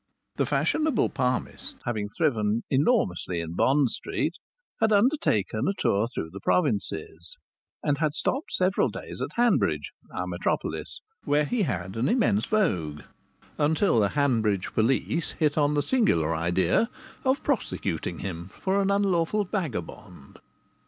The fashionable palmist, having thriven enormously in Bond Street, had undertaken a tour through the provinces and had stopped several days at Hanbridge (our metropolis), where he had an immense vogue until the Hanbridge police hit on the singular idea of prosecuting him for an unlawful vagabond.